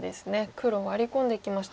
黒ワリ込んでいきました。